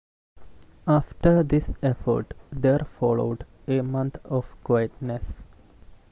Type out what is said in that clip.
After this effort there followed a month of quietness.